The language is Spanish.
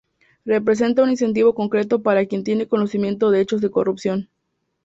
Representa un incentivo concreto para quien tiene conocimiento de hechos de corrupción.